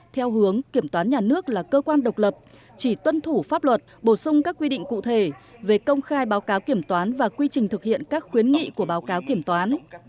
theo hướng kiểm toán nhà nước là cơ quan độc lập chỉ tuân thủ pháp luật bổ sung các quy định cụ thể về công khai báo cáo kiểm toán và quy trình thực hiện các khuyến nghị của báo cáo kiểm toán